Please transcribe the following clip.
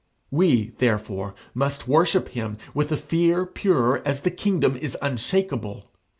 We, therefore, must worship him with a fear pure as the kingdom is unshakeable.